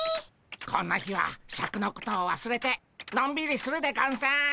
こんな日はシャクのことをわすれてのんびりするでゴンス。